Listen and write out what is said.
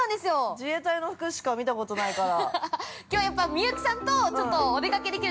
◆自衛隊の服しか見たことないから。